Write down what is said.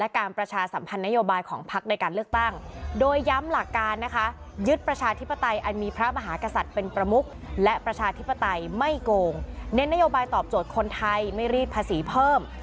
ก็ตอบโจทย์คนไทยไม่รีดภาษีเพิ่ม